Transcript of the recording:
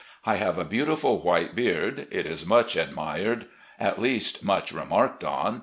I have a beautiful white beard. It is much admired. At least, much remarked on.